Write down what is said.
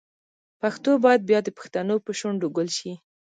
پښتو باید بیا د پښتنو په شونډو ګل شي.